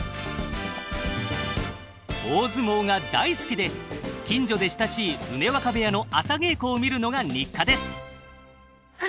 大相撲が大好きで近所で親しい梅若部屋の朝稽古を見るのが日課です。